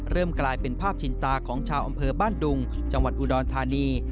กลายเป็นภาพชินตาของชาวอำเภอบ้านดุงจังหวัดอุดรธานี